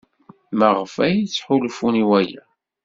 Maɣef ay ttḥulfun i waya?